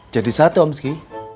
jadi satu omski